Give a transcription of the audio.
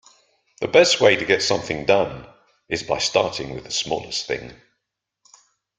The best way to get something done is by starting with the smallest thing.